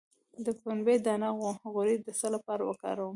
د پنبې دانه غوړي د څه لپاره وکاروم؟